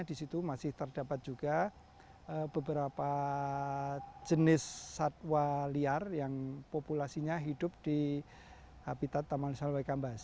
di situ masih terdapat juga beberapa jenis satwa liar yang populasinya hidup di habitat taman sawai kambas